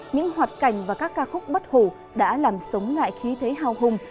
những hoạt cảnh và các ca khúc bất hủ đã làm sống lại khí thế hào hùng